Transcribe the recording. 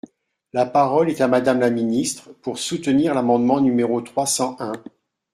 La parole est à Madame la ministre, pour soutenir l’amendement numéro trois cent un.